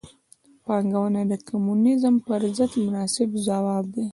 پانګونه د کمونیزم پر ضد مناسب ځواب و.